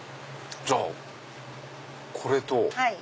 じゃあこれと。